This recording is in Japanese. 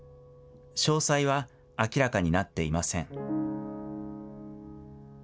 詳細は明らかになっていません。